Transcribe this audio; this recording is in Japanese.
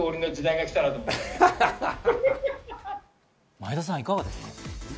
前田さん、いかがですか？